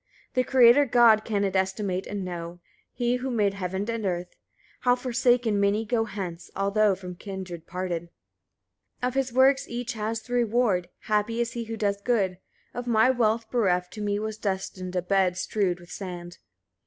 The Creator God can it estimate and know, (He who made heaven and earth) how forsaken many go hence, although from kindred parted. 49. Of his works each has the reward: happy is he who does good. Of my wealth bereft, to me was destined a bed strewed with sand.